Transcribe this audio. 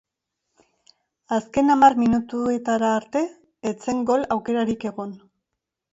Azken hamar minutuetara arte ez zen gol aukerarik egon.